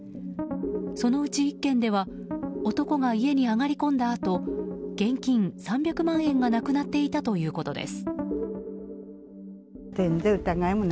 そのうち１軒では男が家に上がり込んだあと現金３００万円がなくなっていたということです。